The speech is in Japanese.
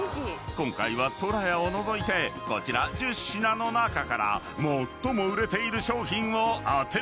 ［今回は「とらや」を除いてこちら１０品の中から最も売れている商品を当てていただく］